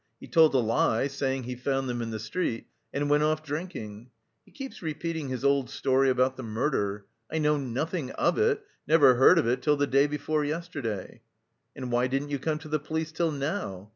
He told a lie saying he found them in the street, and went off drinking. He keeps repeating his old story about the murder: 'I know nothing of it, never heard of it till the day before yesterday.' 'And why didn't you come to the police till now?